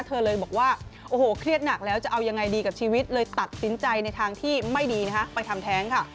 เธอเลยบอกว่าโอ้โหเครียดหนักแล้วจะเอายังไงดีกับชีวิตเลยตัดสินใจในทางที่ไม่ดีนะคะไปทำแท้งค่ะ